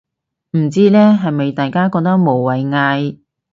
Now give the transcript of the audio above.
唔知呢，係咪大家覺得無謂嗌